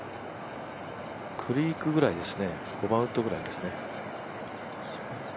クリークぐらいですね、５番ウッドぐらいですね。